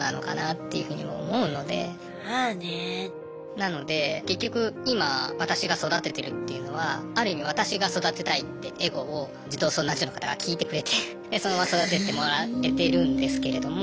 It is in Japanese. なので結局今私が育ててるっていうのはある意味私が育てたいってエゴを児童相談所の方が聞いてくれてでそのまま育ててもらえてるんですけれども。